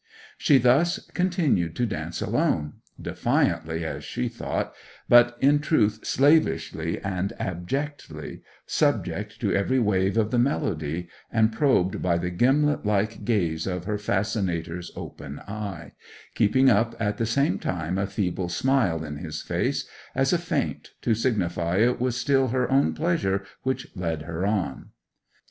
She thus continued to dance alone, defiantly as she thought, but in truth slavishly and abjectly, subject to every wave of the melody, and probed by the gimlet like gaze of her fascinator's open eye; keeping up at the same time a feeble smile in his face, as a feint to signify it was still her own pleasure which led her on.